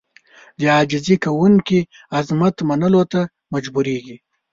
د عاجزي کوونکي عظمت منلو ته مجبورېږي.